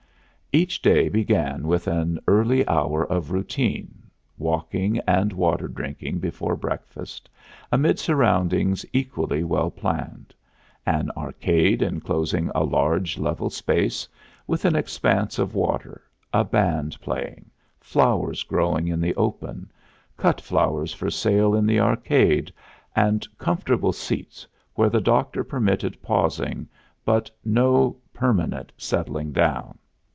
Each day began with an early hour of routine, walking and water drinking before breakfast, amid surroundings equally well planned an arcade inclosing a large level space, with an expanse of water, a band playing, flowers growing in the open, cut flowers for sale in the arcade and comfortable seats where the doctor permitted pausing, but no permanent settling down.